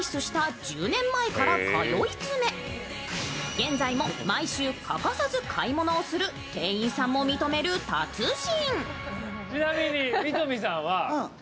現在も毎週欠かさず買い物をする、店員さんも認める達人。